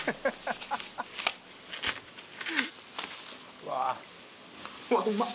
うわっうまっ！